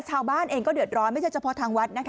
ชาวบ้านเองก็เดือดร้อนไม่ใช่เฉพาะทางวัดนะคะ